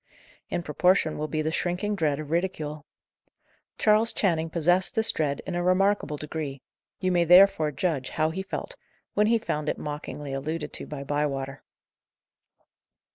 In proportion will be the shrinking dread of ridicule. Charles Channing possessed this dread in a remarkable degree; you may therefore judge how he felt, when he found it mockingly alluded to by Bywater.